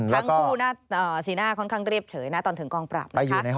ทั้งคู่สีหน้าค่อนข้างเรียบเฉยนะตอนถึงกองปราบนะคะ